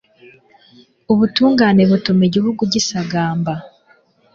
ubutungane butuma igihugu gisagamba